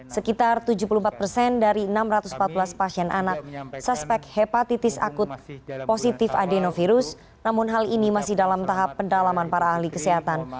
sekitar tujuh puluh empat persen dari enam ratus empat belas pasien anak suspek hepatitis akut positif adenovirus namun hal ini masih dalam tahap pendalaman para ahli kesehatan